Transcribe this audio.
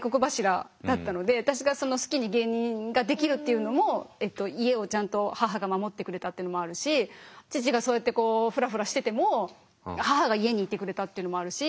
私が好きに芸人ができるっていうのも家をちゃんと母が守ってくれたっていうのもあるし父がそうやってこうフラフラしてても母が家にいてくれたっていうのもあるし